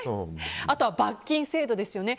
あとは罰金制度ですよね。